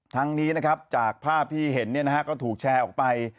ทั้งนี้นะครับจากภาพที่เห็นก็ถูกแชร์ออกไป